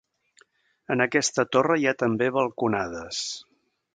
En aquesta torre hi ha també balconades.